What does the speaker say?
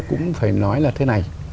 cũng phải nói là thế này